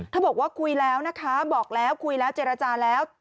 บอกว่าคุยแล้วนะคะบอกแล้วคุยแล้วเจรจาแล้ว